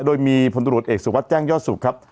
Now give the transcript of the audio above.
โดยมีพลตรวจเอกสุวัสดิแจ้งยอดสุขครับ